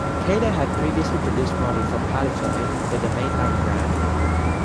Kader had previously produced models for Palitoy under the 'Mainline' brand.